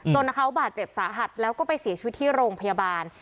เขาบาดเจ็บสาหัสแล้วก็ไปเสียชีวิตที่โรงพยาบาล